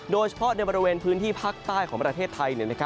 โดยเฉพาะในบริเวณพื้นที่ภาคใต้ของประเทศไทย